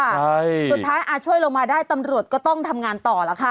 ใช่สุดท้ายช่วยลงมาได้ตำรวจก็ต้องทำงานต่อแล้วค่ะ